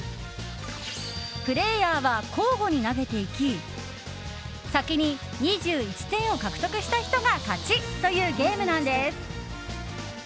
プレーヤーは交互に投げていき先に２１点を獲得した人が勝ちというゲームなんです。